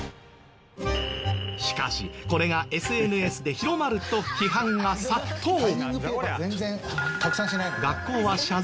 しかしこれがＳＮＳで広まると批判が殺到。